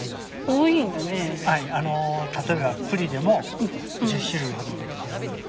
例えばクリでも１０種類ほど植えてます。